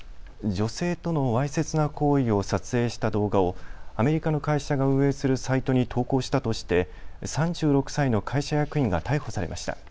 女性とのわいせつな行為を撮影した動画をアメリカの会社が運営するサイトに投稿したとして３６歳の会社役員が逮捕されました。